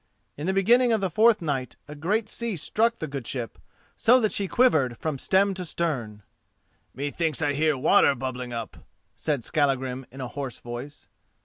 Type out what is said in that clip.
In the beginning of the fourth night a great sea struck the good ship so that she quivered from stem to stern. "Methinks I hear water bubbling up," said Skallagrim in a hoarse voice.